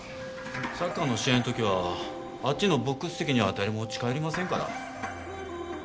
サッカーの試合の時はあっちのボックス席には誰も近寄りませんから。